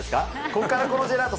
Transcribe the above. ここからこのジェラート